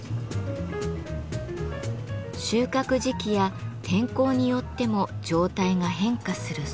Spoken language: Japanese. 収穫時期や天候によっても状態が変化する蕎麦粉。